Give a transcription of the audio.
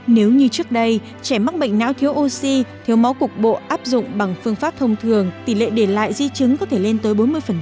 nếu như trước đây trẻ mắc bệnh não thiếu oxy thiếu máu cục bộ áp dụng bằng phương pháp thông thường tỷ lệ để lại di chứng có thể lên tới bốn mươi